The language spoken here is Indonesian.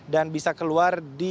dan bisa keluar di